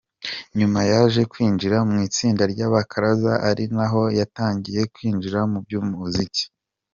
Nyuma yaje kwinjira mu itsinda ry’abakaraza ari naho yatangiye kwinjira mu by’umuziki.